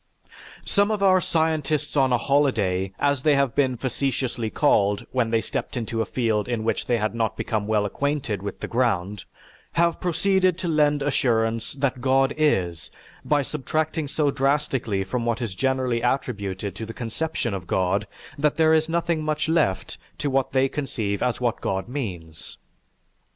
Some of our "scientists on a holiday," as they have been facetiously called when they stepped into a field in which they had not become well acquainted with the ground, have proceeded to lend assurance that God is by subtracting so drastically from what is generally attributed to the conception of God, that there is nothing much left to what they conceive as what God means.